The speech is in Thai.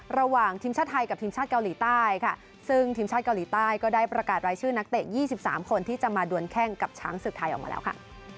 ระหว่างทีมชาติไทยกับทีมชาติเกาหลีใต้ค่ะซึ่งทีมชาติเกาหลีใต้ก็ได้ประกาศรายชื่อนักเตะ๒๓คนที่จะมาดวนแข้งกับช้างศึกไทยออกมาแล้วค่ะ